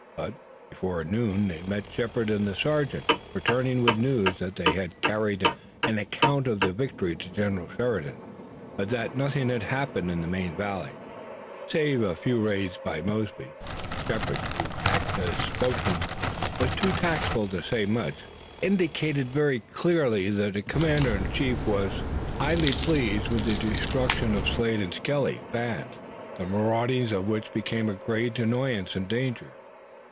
But before noon they met Shepard and the sergeant returning with news that they had carried an account of the victory to General Sheridan, but that nothing had happened in the main valley save a few raids by Mosby. Shepard, who acted as spokesman, was too tactful to say much, but he indicated very clearly that the commander in chief was highly pleased with the destruction of the Slade and Skelly band, the maraudings of which had become a great annoyance and danger.